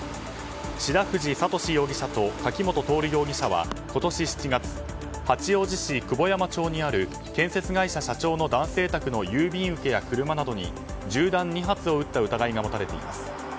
志田藤賢容疑者と柿本透容疑者は今年７月、八王子市にある建設側会社社長の男性宅の郵便受けや車などに銃弾２発を撃った疑いなどが持たれています。